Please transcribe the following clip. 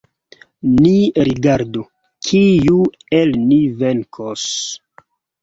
Ni rigardu, kiu el ni venkos!